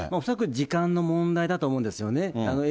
恐らく時間の問題だと思うんですよね。